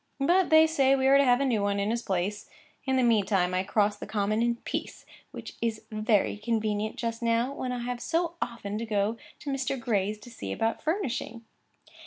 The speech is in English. But they say we are to have a new one in his place. In the meantime I cross the common in peace, which is very convenient just now, when I have so often to go to Mr. Gray's to see about furnishing.